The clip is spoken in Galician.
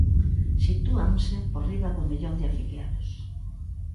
Sitúanse por riba do millón de afiliados.